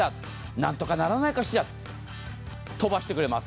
何とかならないかしら、飛ばしてくれます。